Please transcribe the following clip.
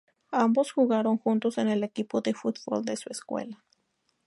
Ambos jugaron juntos en el equipo de fútbol de su escuela.